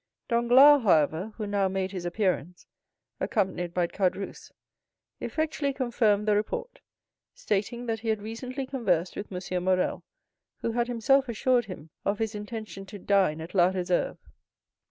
Danglars, however, who now made his appearance, accompanied by Caderousse, effectually confirmed the report, stating that he had recently conversed with M. Morrel, who had himself assured him of his intention to dine at La Réserve.